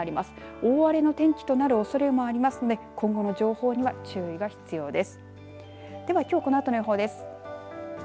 大荒れの天気となるおそれもありますので今後の情報には注意が必要です。